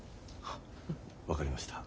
分かりました。